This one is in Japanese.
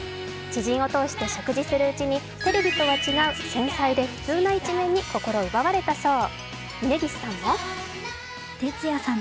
知人を通して食事するうちにテレビとは違う、繊細で普通な一面に心奪われたそう。